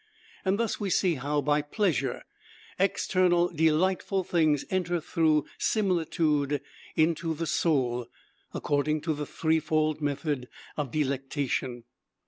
And thus we see how, by pleasure, external delightful things enter through similitude into the soul, according to the threefold method of delectation.